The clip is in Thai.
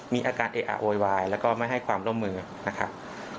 มีอาการเออะโวยวายแล้วก็ไม่ให้ความร่วมมือนะครับ